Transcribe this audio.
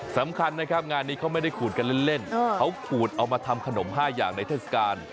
สำคัญนะครับงานนี้เขาไม่ได้ขูดกันเล่นเขาขูดเอามาทำขนม๕อย่างในเทศกาล